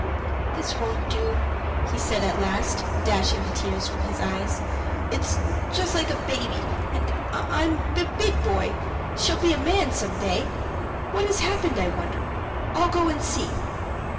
"This won't do," he said at last, dashing the tears from his eyes. "It's just like a baby, and I'm a big boy shall be a man some day. What has happened, I wonder? I'll go and see."